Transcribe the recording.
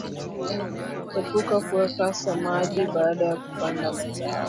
Epuka kuweka samadi baada ya kupanda mazao